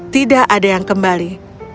tidak ada yang kembali